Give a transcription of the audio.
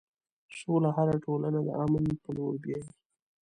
سوله هره ټولنه د امن په لور بیایي.